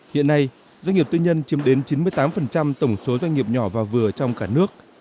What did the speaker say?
hiện nay doanh nghiệp tư nhân chiếm đến chín mươi tám tổng số doanh nghiệp nhỏ và vừa trong cả nước